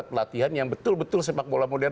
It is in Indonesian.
terima kasih pak jamal